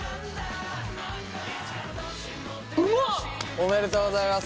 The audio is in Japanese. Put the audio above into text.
おめでとうございます。